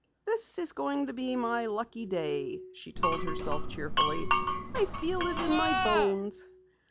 "This is going to be my lucky day," she told herself cheerfully. "I feel it in my bones."